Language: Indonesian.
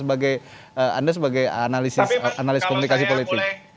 anda sebagai analisis komunikasi politik